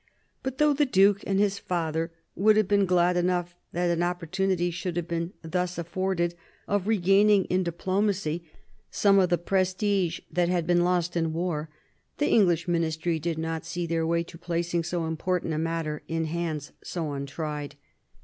But though the duke and his father would have been glad enough that an opportunity should have been thus 56 MARIA THERESA chap, hi afforded of regaining in diplomacy some of the prestige that had been lost in war, the English ministry did not see their way to placing so important a matter in hands so untried.